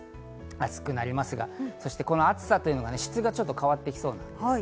暑くなりますが、この暑さというのが質がちょっと変わってきそうなんです。